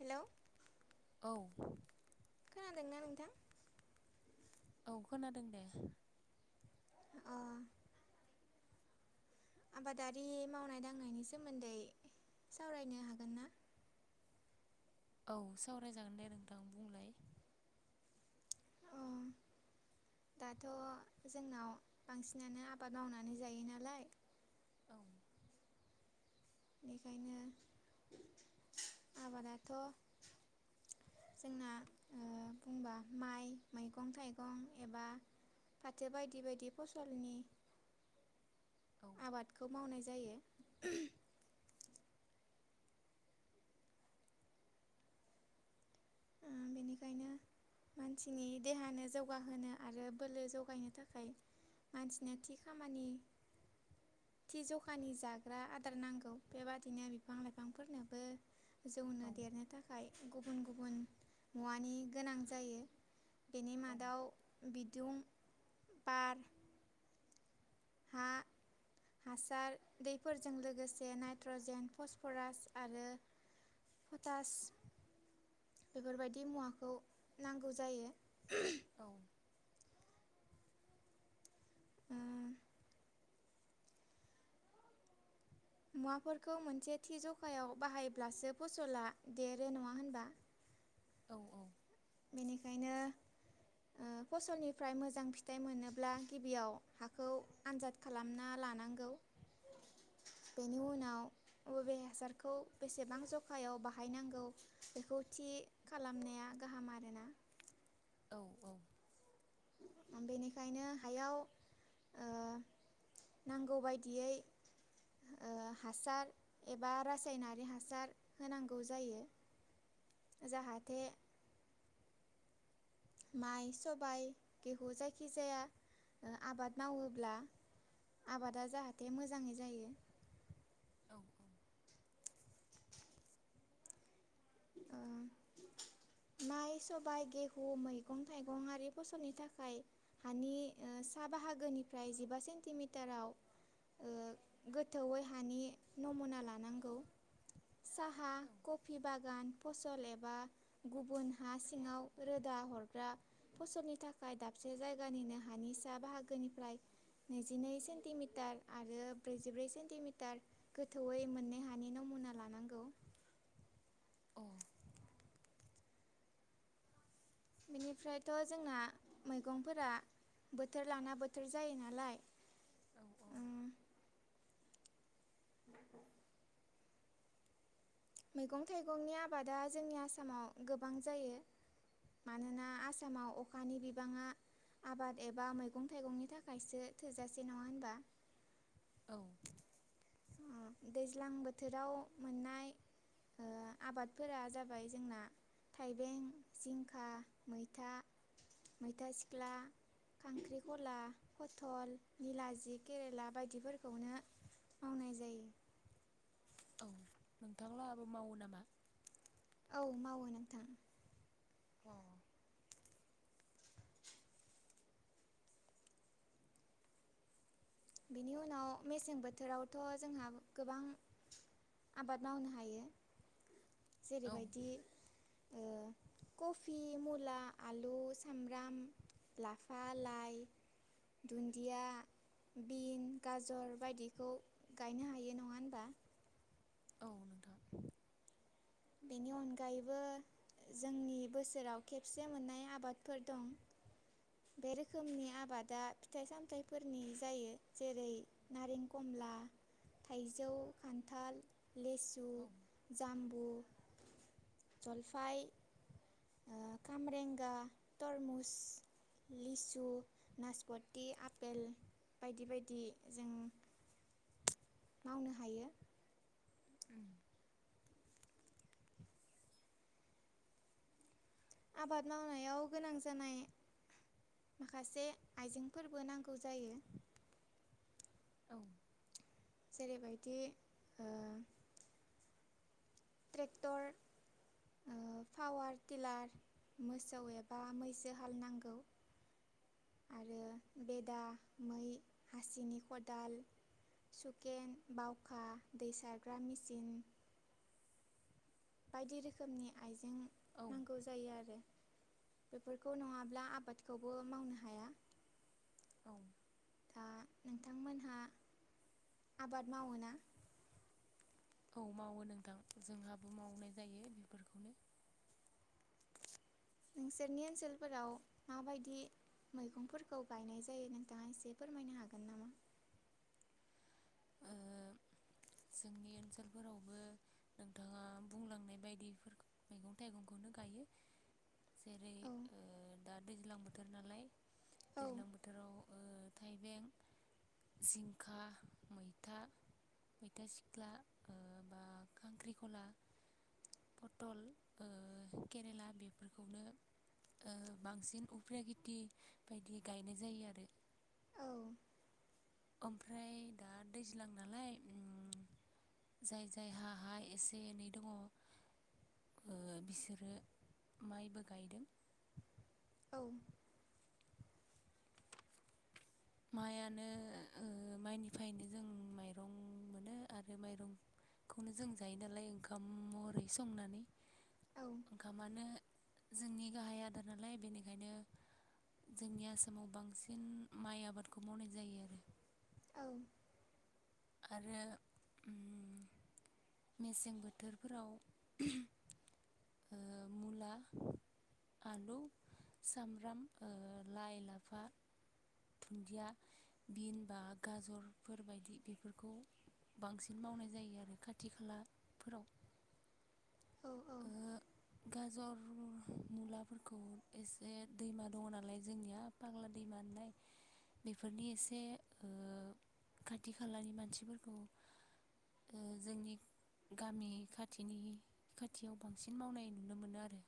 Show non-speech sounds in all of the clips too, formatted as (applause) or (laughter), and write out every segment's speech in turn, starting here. Hello औ खोनादोंना नोंथां? औ खोनादों दे। अ आबादारि मावनाय दांनायनि सोमोन्दै सावरायनो हागोन ना? औ सावरायजागोन दे नोंथां बुंलाय अ दाथ' जोंनाव बांसिनानो आबाद मावनानै जायो नालाय औ बेखायनो आबादाथ' जोंना ओ बुंबा माइ मैगं थाइगं एबा फाथो बायदि बायदि फसलनि औ आबादखौ मावनाय (inaudible) ओम बेनिखायनो मानसिनि देहानो जौगाहोनो आरो बोलो जगायनो थाखाय मानसिनो थि खामानि थि जखानि जाग्रा आदार नांगौ बेबादिनो बिफां लाइफांफोरनोबो औ जौनो देरनो थाखाय गुबुन गुबुन मुवानि गोनां जायो। बेनि मादाव बिदुं बार हा हासार दैफोरजों लोगोसे नाइट्रजेन फसफरास आरो पटास बेफोर बायदि मुवाखौ नांगौ जायो। औ। उम। मुवाफोरखौ मोनसे थि ज'खायाव बाहायब्लासो फसला देरो नङा होनबा? औ बेनिखायनो ओ फसलनिफ्राय मोजां फिथाइ मोनोब्ला गिबियाव हाखौ आनजाद खालामना लानांगौ। बेनि उनाव बबे हासारखौ बेसेबां जखायाव बाहायनांगौ बेखौ थि खालामनाया गाहाम आरोना औ औ। बेनिखायनो हायाव औ नांगौ बायदियै हासार एबा रासायनारि हासार होनांगौ जायो जाहाथे माइ, सबाय, गेहु जायखिजाया आबाद मावोब्ला आबादा जाहाथे मोजाङै जायो। अ ओ माइ, सबाय, गेहु, मैगं थाइगं आरि फसलनि थाखाय हानि सा बाहागोनिफ्राय जिबा सेन्टिमिटाराव ओ गोथौयै हानि नमुना लानांगौ। साहा, कफि बागान फसल एबा गुबुन हा सिङाव रोदा हरग्रा फसलनि थाखाय दाबसे जायगानिनो हानिसा बाहागोनिफ्राय नैजिनै सेन्टिमिटार आरो ब्रैजिब्रै सेन्टिमिटार गोथौयै मोननै हानि नमुना लानांगौ। बेनिफ्रायथ' जोंना मैगंफोरा बोथोर लाना बोथोर जायो नालाय। औ औ। ओम (inaudible) मैगं थाइगंनि आबादा जोंनि आसामाव गोबां जायो। मानोना आसामाव अखानि बिबाङा आबाद एबा मैगं थाइगंनि थाखायसो थोजासे नङा होनबा। औ। दैज्लां बोथोराव मोननाय ओ आबादफोरा जाबाय जोंना थाइबें, जिंखा, मैथा, मैथा सिख्ला, खांख्रिखला, फथल, निलाजि, केरेला बायदिफोरखौनो मावनाय जायो औ नोंथांलाहाबो मावो नामा? औ मावो नोंथां। औ। बिनि उनाव मेसें बोथोरावथ' जोंहा गोबां आबाद मावनो हायो। औ जेरैबायदि कफि, मुला, आलु, सामब्राम, लाफा, लाइ, दुन्दिया बिन, गाजर बायदिखौ गायनो हायो नङा होनबा। औ नोंथां। बेनि अनगायैबो जोंनि बोसोराव खेबसे मोननाय आबादफोर दं बे रोखोमनि आबादा फिथाइ सामथाइफोरनि जायो जेरै नारें खमला, थाइजौ, खान्थाल लेसु, औ जाम्बु, जलफाय, खामरेंगा, तरमुस, लिसु, नासपथि, आपेल बायदि बायदि जों मावनो हायो। उम आबाद मावनायाव गोनां जानाय माखासे आइजेंफोरबो नांगौ जायो। औ। जेरैबायदि ओ ट्रेक्टर पावार टिलार मोसौ एबा मैसो हाल नांगौ आरो बेदा, मै, हासिनि, खदाल, सुकेन, बावखा दै सारग्रा मेसिन, बायदि रोखोमनि आइज जों औ नांगौ जायो आरो। बेफोरखौ नङाब्ला आबादखौबो मावनो हाया। औ। दा नोंथांमोनहा आबाद मावोना। औ मावो नोंथां जोंहाबो मावनाय जायो बिफोरखौनो नोंसोरनि ओनसोलफोराव माबायदि मैगंफोरखौ गायनाय जायो नोंथाङा एसे फोरमायनो हागोन नामा ओ जोंनि ओनसोलफोरावबो नोंथाङा बुंलांनाय बायदिफोर मैगं थाइगंखौनो गायो जेरै दा दैज्लां बोथोर नालाय औ दैज्लां बोथोराव थाइबें जिंखा मैथा मैथा सिख्ला बा खांख्रिखला पथल ओ केरेला बेफोरखौनो ओ-बांसिन उफ्रिया खेथि बायदि गायनाय जायो आरो औ ओमफ्राय दा दैज्लां नालाय उम जाय जाय हा हा एसे एनै दङ बिसोरो माइबो गायदों औ माइयानो ओ-माइनिफायनो जों माइरं मोनो आरो माइरंखौनो जों जायो नालाय ओंखाम महरै संनानै औ ओंखा मानो जोंनि गाहाय आदार नालाय बेनिखायनो जोंनि आसामाव बांसिन माइ आब आबादखौ मावनाय जायो आरो औ आरो मेसें बोथोरफोराव ओ मुला आलु सामब्राम ओ लाइ लाफा दुन्दिया बिन बा गाजर फोरबायदि बेफोरखौ बांसिन मावनाय जायो आरो खाथि खाला फोराव औ औ गाजर मुलाफोरखौ एसे दैमा दङ नालाय जोंनिया फाग्ला दैमा नालाय बेफोरनि एसे ओ खाथि खालानि मानसिफोरखौ ओ जोंनि गामि खाथिनि खाथियाव बांसिन मावनाय नुनो मोनो आरो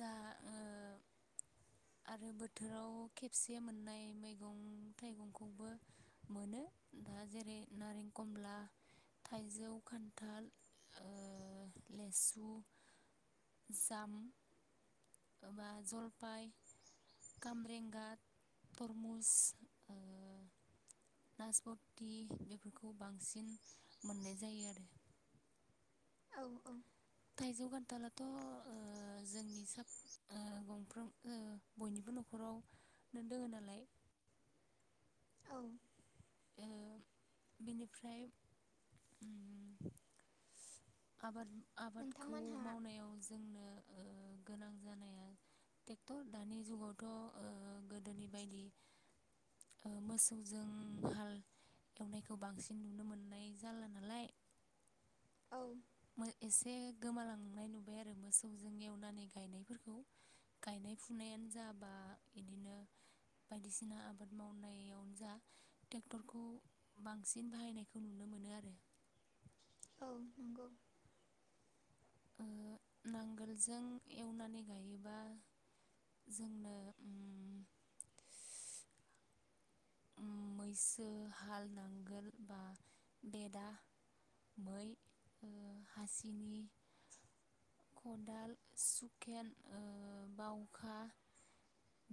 दा ओ आरो बोथोराव खेबसे मोननाय मैगं थाइगंखौबो मोनो दा जेरै नारेंकमला थाइजौ खान्थाल ओ लेसु जाम बा जलपाय कामरेंगा तरमुस नासपति बेफोरखौ बांसिन मोननाय जायो आरो औ-औ थाइजौ खान्थालाथ ओ जोंनि स गंफ्रोम ओ बयनिबो नखराव नो दोङो नालाय औ ओ बिनिफ्राय आबाद आबादखौ नोंथांमोनहा मावनायाव जोंनो ओ गोनां जानाया टेक्टर दानि जुगावथ ओ गोदोनि बायदि मोसौजों हाल एवनायखौ बांसिन नुनो मोननाय जाल्ला नालाय औ एसे गोमालांनाय नुबाय आरो मोसौजों एवनानै गायनायफोरखौ गायनाय फुनायानो जा बा बिदिनो बायदिसिना आबाद मावनायावनो जा टेक्टरखौ बांसिन बाहायनायखौ नुनो मोनो आरो औ नंगौ ओ नांगोलजों एवनानै गायोबा जोंनो उम मैसो हाल नांगोल बा बेदा मै ओ हासिनि खदाल सुखेन ओ बावखा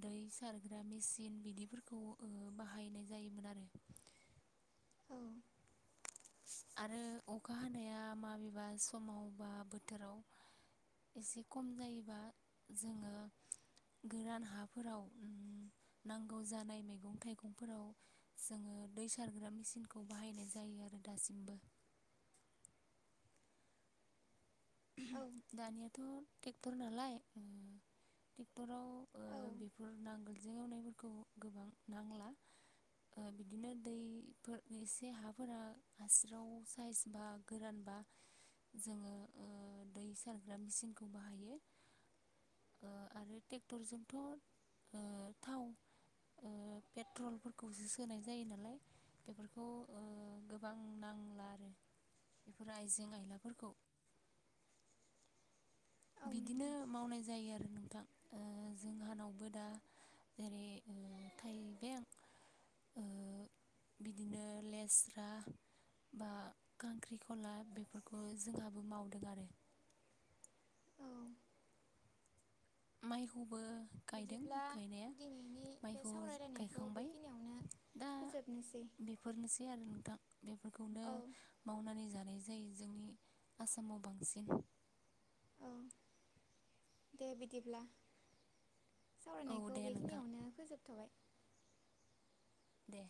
दै सारग्रा मेचिन बिदिफोरखौ ओ बाहायनाय जायोमोन आरो औ आरो अखा हानाया माबेबा समाव बा बोथोराव एसे खम जायोबा जोङो गोरान हाफोराव नांगौ जानाय मैगं थाइगंफोराव जोङो दै सारग्रा मेचिनखौ बाहायनाय जायो आरो दासिमबो औ दानियाथ टेक्टर नालाय टेक्टराव ओ औ बेफोर नांगोल आजजों एवनायफोरखौ गोबां नांला बिदिनो दैफोर एसे हाफोरा हास्राव साइस बा गोरानबा जोङो ओ दै सारग्रा मेचिनखौ बाहायो ओ आरो टेक्टरजोंथ ओ थाव ओ पेट्रलफोरखौसो सोनाय जायो नालाय बेफोरखौ ओ गोबां नांला आरो बेफोर आइजें आइलाफोरखौ बिदिनो नोंथां मावनाय जायो आरो नोंथां ओ जोंहानावबो दा जेरै ओ थाइबें ओ बिदिनो लेस्रा बा खांख्रिखला बेफोरखौ जोंहाबो मावदों आरो औ माइखौ बो गायदों बिदिब्ला गायनाया दिनैनि बे माइखौ सावरायलायनायखौ गायखांबाय बेखिनियावनो दा फोजोबनोसै बेफोरनोसै आरो नोंथां। बेफोरखौनो औ मावनानै जानाय। जायो जोंनि आसामाव बांसिन। औ दे बिदिब्ला। औ सावरायनायखौ दे नोंथां बेखिनियावनो फोजोबथ'बाय। दे।